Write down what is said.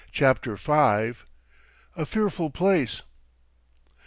CHAPTER V. A FEARFUL PLACE.